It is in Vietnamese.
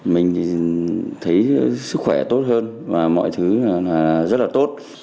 mình thì thấy sức khỏe tốt hơn và mọi thứ rất là tốt